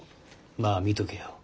まあ見とけよ。